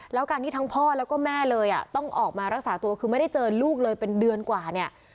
แล้วการที่ทั้งพ่อแล้วก็แม่เลยต้องออกมารักษาตัวคือไม่ได้เจอลูกเลยเป็นเดือนกว่าเนี่ย